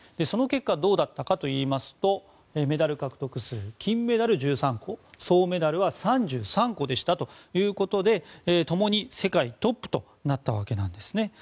その結果どうだったかといいますとメダル獲得数、金メダル１３個総メダルは３３個でしたということで共に世界トップとなったわけです。